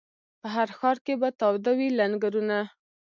په هر ښار کي به تاوده وي لنګرونه